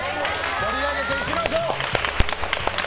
盛り上げていきましょう！